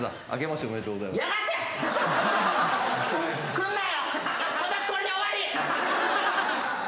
来んなよ！